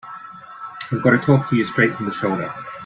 I've got to talk to you straight from the shoulder.